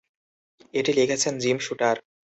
এটি লিখেছেন Jim shooter.